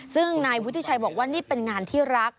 ซึ่งนายวุฒิชัยบอกว่านี่เป็นงานที่รัก